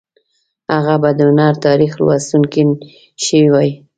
هغه به د هنر تاریخ لوستونکی شوی وای